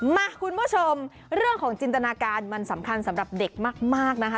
มาคุณผู้ชมเรื่องของจินตนาการมันสำคัญสำหรับเด็กมากนะคะ